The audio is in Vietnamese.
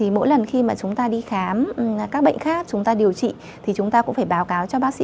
mỗi lần khi mà chúng ta đi khám các bệnh khác chúng ta điều trị thì chúng ta cũng phải báo cáo cho bác sĩ